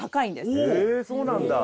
へえそうなんだ。